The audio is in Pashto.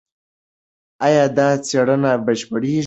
ایا دا څېړنه بشپړېږي؟